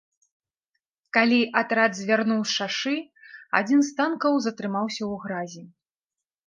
Калі атрад звярнуў з шашы, адзін з танкаў затрымаўся ў гразі.